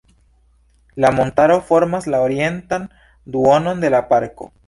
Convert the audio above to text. La montaro formas la orientan duonon de la Parko.